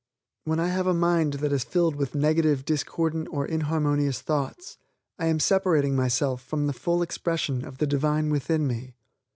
When I have a mind that is filled with negative, discordant or inharmonious thoughts, I am separating myself from the full expression of the Divine within me.